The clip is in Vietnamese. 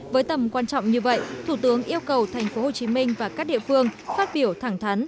với tầm quan trọng như vậy thủ tướng yêu cầu tp hcm và các địa phương phát biểu thẳng thắn